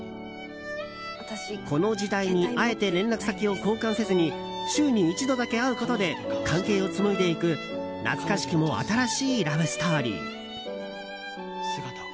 この時代にあえて連絡先を交換せずに週に一度だけ会うことで関係を紡いでいく懐かしくも新しいラブストーリー。